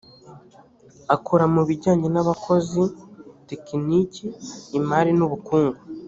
akora mu bijyanye n’abakozi tekiniki imari n’ubukungu